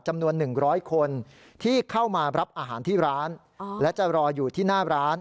จำนวน๑๐๐คนที่เข้ามารับอาหารที่ร้านและจะรออยู่ที่หน้าร้าน